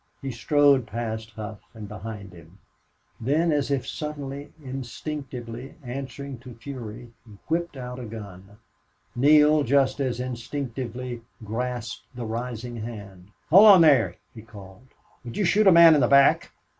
He strode past Hough, and behind him; then as if suddenly, instinctively, answering to fury, he whipped out a gun. Neale, just as instinctively, grasped the rising hand. "Hold on, there!" he called. "Would you shoot a man in the back?"